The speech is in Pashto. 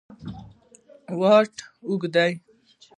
واټ اوږد دی.